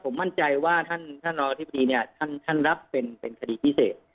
ผมมั่นใจว่าท่านรองอธิบดีเนี่ยท่านรับเป็นคดีพิเศษ